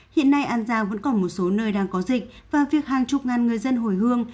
hiện nay an giang vẫn còn một số nơi đang có dịch và việc hàng chục ngàn người dân hồi hương